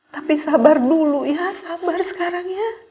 tapi sabar dulu ya sabar sekarang ya